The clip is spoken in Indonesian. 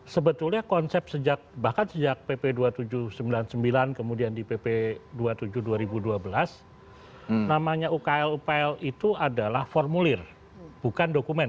sebetulnya konsep sejak bahkan sejak pp dua ribu tujuh ratus sembilan puluh sembilan kemudian di pp dua puluh tujuh dua ribu dua belas namanya ukl upl itu adalah formulir bukan dokumen